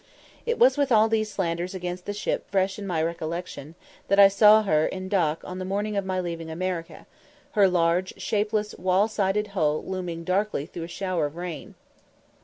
It was with all these slanders against the ship fresh in my recollection that I saw her in dock on the morning of my leaving America, her large, shapeless, wall sided hull looming darkly through a shower of rain.